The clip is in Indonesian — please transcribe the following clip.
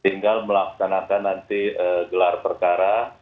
tinggal melaksanakan nanti gelar perkara